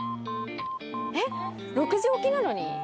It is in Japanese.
えっ６時起きなのに？